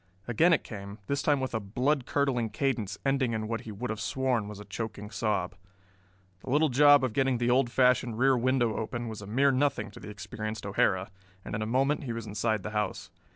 Again it came, this time with a blood curdling cadence ending in what he would have sworn was a choking sob. The little job of getting the old fashioned rear window open was a mere nothing to the experienced O'Hara, and in a moment he was inside the house.